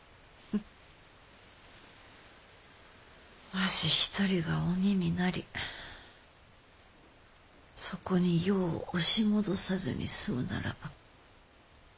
わし一人が鬼になりそこに世を押し戻さずに済むならば。